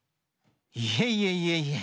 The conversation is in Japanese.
いえいえいえいえ。